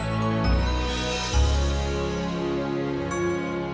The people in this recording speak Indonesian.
iya pak ustadz